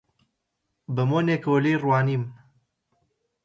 بە مۆنێکەوە لێی ڕوانیم: